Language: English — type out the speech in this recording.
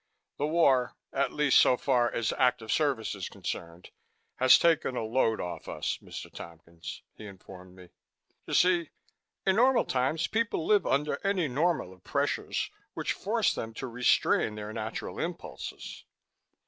"The war, at least so far as active service is concerned, has taken a load off us, Mr. Tompkins," he informed me. "You see, in normal times people live under any number of pressures which force them to restrain their natural impulses.